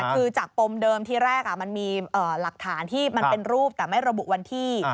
คือจากปมเดิมที่แรกมันมีหลักฐานที่มันเป็นรูปแต่ไม่ระบุวันที่